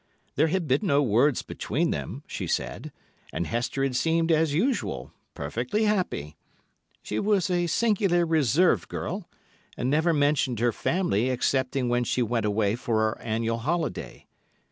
There had been no words between them, she said, and Hester had seemed as usual, perfectly happy. She was a singularly reserved girl, and never mentioned her family excepting when she went away for her annual holiday.